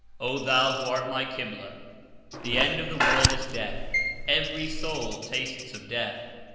O thou who art my Ḳibla! the end of the world is death: "every soul tastes of death."